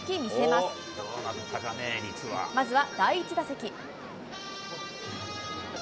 まずは第１打席。